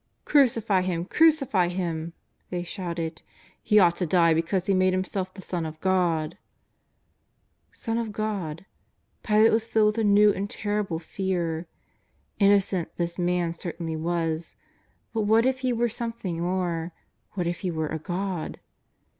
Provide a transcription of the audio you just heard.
''" Crucify Him ! Crucify Him !" they shouted. " He ought to die because He made Himself the Son of God." " Son of God !" Pilate was filled with a new and terrible fear. Innocent this Man certainly was. But what if He were something more, what if He were a God